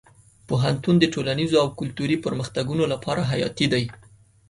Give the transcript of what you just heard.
پوهنتون د ټولنیزو او کلتوري پرمختګونو لپاره حیاتي دی.